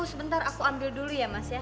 sebentar aku ambil dulu ya mas ya